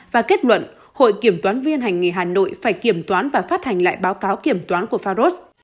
và kết luận hội kiểm toán viên hành nghề hà nội phải kiểm toán và phát hành lại báo cáo kiểm toán của faros